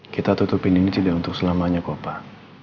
kita tutupin ini tidak untuk selamanya kok pak